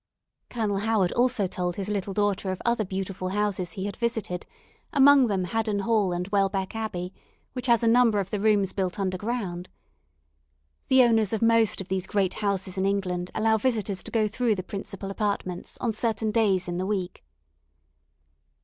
Colonel Howard also told his little daughter of other beautiful houses he had visited, among them Haddon Hall and Welbeck Abbey, which has a number of the rooms built under ground. The owners of most of these great houses in England allow visitors to go through the principal apartments on certain days in the week.